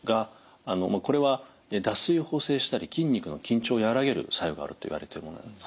これは脱水を補正したり筋肉の緊張を和らげる作用があるといわれているものなんです。